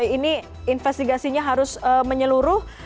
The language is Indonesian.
ini investigasinya harus menyeluruh